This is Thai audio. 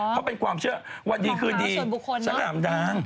เขาเป็นความเชื่อวันดีคืนดีสง่ามดัง